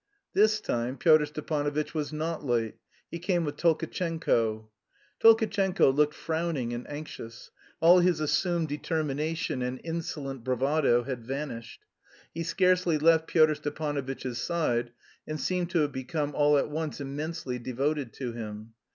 This time Pyotr Stepanovitch was not late; he came with Tolkatchenko. Tolkatchenko looked frowning and anxious; all his assumed determination and insolent bravado had vanished. He scarcely left Pyotr Stepanovitch's side, and seemed to have become all at once immensely devoted to him.